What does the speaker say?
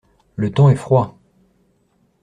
Le temps est froid.